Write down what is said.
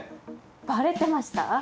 バレてました？